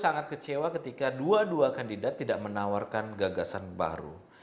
sangat kecewa ketika dua dua kandidat tidak menawarkan gagasan baru